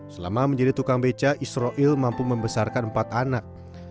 selama menjadi tukang beca israel mampu membesarkan empat anak